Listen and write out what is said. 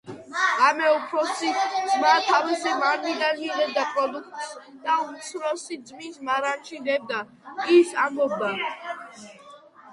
ღამე უფროსი ძმა თავისი მარნიდან იღებდა პროდუქტს და უმცროსი ძმის მარანში დებდა. ის ამბობდა: